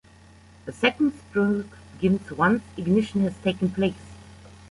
The second stroke begins once ignition has taken place.